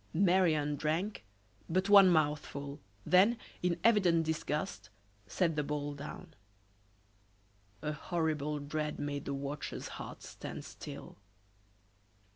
Marie Anne drank but one mouthful, then, in evident disgust, set the bowl down. A horrible dread made the watcher's heart stand still.